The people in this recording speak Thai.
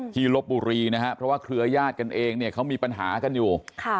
ลบบุรีนะครับเพราะว่าเครือญาติกันเองเนี่ยเขามีปัญหากันอยู่